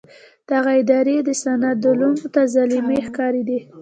دغه ادارې د سند عوامو ته ظالمې ښکارېدې.